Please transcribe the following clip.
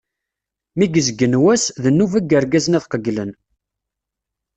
Mi yezgen wass, d nnuba n yirgazen ad qegglen.